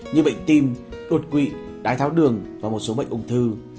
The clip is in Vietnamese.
như bệnh tim đột quỵ đái tháo đường và một số bệnh ung thư